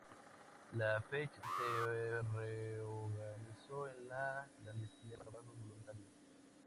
La Fech se reorganizó en la clandestinidad, y comenzó a organizar trabajos voluntarios.